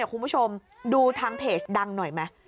คุณผู้ชมดูทางเพจดังหน่อยไหม